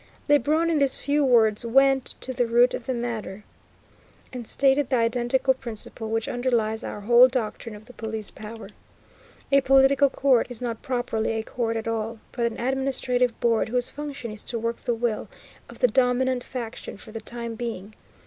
Lebrun in these few words went to the root of the matter, and stated the identical principle which underlies our whole doctrine of the Police Power. A political court is not properly a court at all, but an administrative board whose function is to work the will of the dominant faction for the time being.